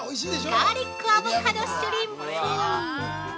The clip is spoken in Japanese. ガーリックアボカドシュリンプ